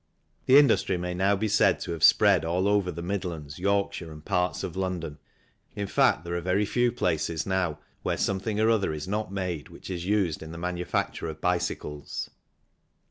The industry may now be said to have spread all over the Midlands, Yorkshire, and parts of London. In fact there are very few places now where something or other is not made which is used in the manufacture of bicycles.